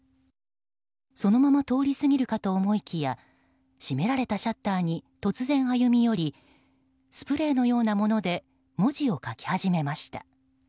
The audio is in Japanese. そのまま通り過ぎるかと思いきや閉められたシャッターに突然、歩み寄りスプレーのようなもので文字を書き始めました。